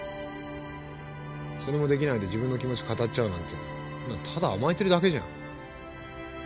それもできないで自分の気持ち語っちゃうなんてそんなのただ甘えてるだけじゃん。